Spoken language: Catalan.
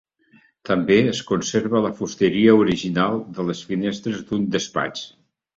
També es conserva la fusteria original de les finestres d'un despatx.